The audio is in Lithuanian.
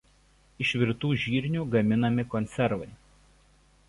Iš virtų žirnių gaminami konservai.